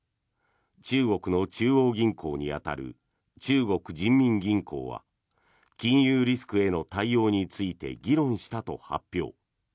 中国の中央銀行に当たる中国人民銀行は金融リスクへの対応について議論したと発表。